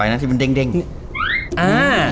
อ่า